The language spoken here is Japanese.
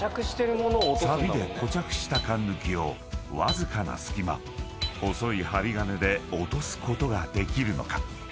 ［サビで固着したかんぬきをわずかな隙間細い針金でおとすことができるのか］